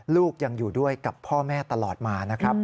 ลูกยังอยู่ด้วยกับพ่อแม่ตลอดมานะครับ